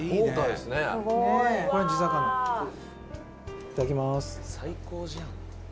「いただきます」